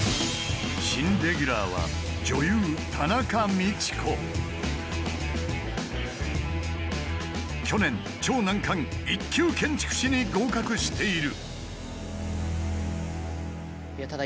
新レギュラーは去年超難関１級建築士に合格している！